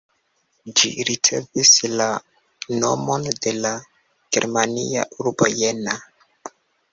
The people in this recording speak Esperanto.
Ĝi ricevis la nomon de la germania urbo Jena.